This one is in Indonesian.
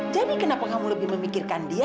jadi kenapa kamu lebih memikirkan dia